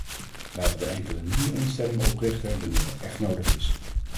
Laten we enkel nieuwe instellingen oprichten wanneer dat echt nodig is.